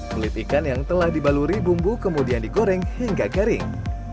kulit ikan yang telah dibaluri bumbu kemudian digoreng hingga kering